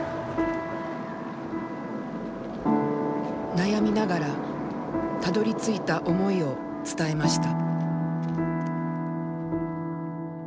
悩みながらたどり着いた思いを伝えました。